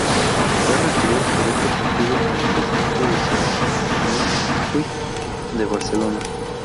Fue regidor por este partido en el distrito de Sants-Montjuic de Barcelona.